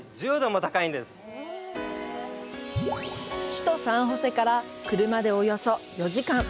首都サンホセから車でおよそ４時間。